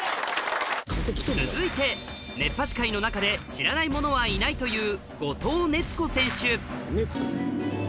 続いて熱波師界の中で知らない者はいないという